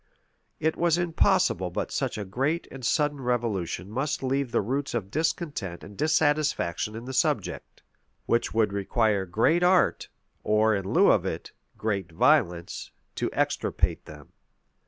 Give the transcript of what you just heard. [] It was impossible but such a great and sudden revolution must leave the roots of discontent and dissatisfaction in the subject, which would require great art, or, in lieu of it, great violence, to extirpate them.